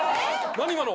何今の？